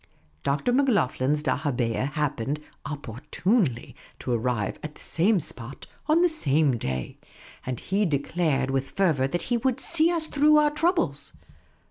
Dr. Macloghlen's dahabeah happened oppor tunely to arrive at the same spot on the same day ; and he declared with fervour he would " see us through our throubles."